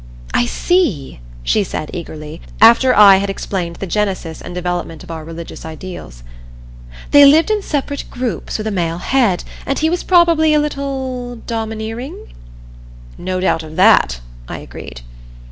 "I see," she said eagerly, after I had explained the genesis and development of our religious ideals. "They lived in separate groups, with a male head, and he was probably a little domineering?" "No doubt of that," I agreed.